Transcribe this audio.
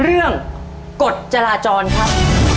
เรื่องกฎจราจรครับ